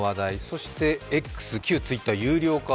そしてＸ、旧Ｔｗｉｔｔｅｒ有料化。